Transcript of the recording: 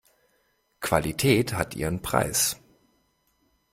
Qualität hat ihren Preis.